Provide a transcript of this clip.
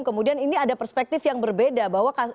kemudian ini ada perspektif yang berbeda bahwa